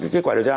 kết quả điều tra